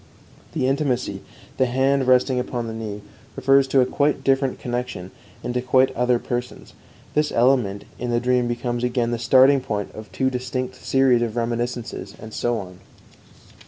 The intimacy, the hand resting upon the knee, refers to a quite different connection and to quite other persons. This element in the dream becomes again the starting point of two distinct series of reminiscences, and so on.